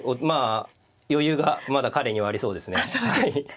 まあ余裕がまだ彼にはありそうですね。